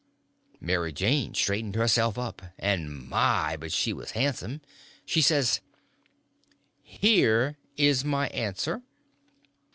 Mary Jane straightened herself up, and my, but she was handsome! She says: "Here is my answer."